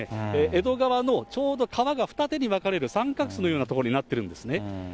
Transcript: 江戸川のちょうど川が二手に分かれる三角州のような所になっているんですね。